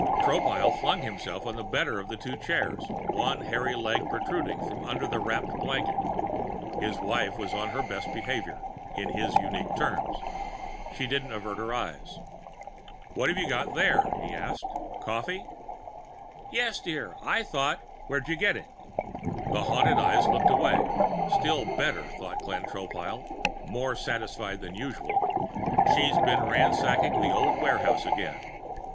Tropile flung himself on the better of the two chairs, one hairy leg protruding from under the wrapped blankets. His wife was on her best behavior in his unique terms; she didn't avert her eyes. "What've you got there?" he asked. "Coffee?" "Yes, dear. I thought " "Where'd you get it?" The haunted eyes looked away. Still better, thought Glenn Tropile, more satisfied even than usual; she's been ransacking an old warehouse again.